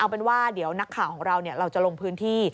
เอาเป็นว่าเดี๋ยวนักข่าวของเราเราจะลงพื้นที่